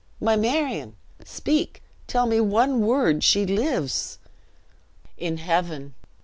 My Marion speak! tell me in one word, she lives!" "In heaven!"